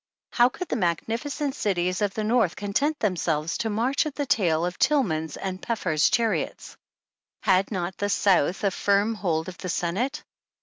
Could the magnificent cities of the North content themselves to march at the tail of Tillman's and Peffer's chariots ? Had not the South a firm hold of the Senate